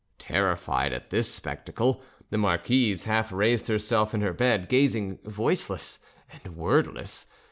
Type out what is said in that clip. Terrified at this spectacle, the marquise half raised herself in her bed, gazing voiceless and wordless.